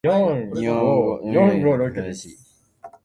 日本語を読み書きするのは難しい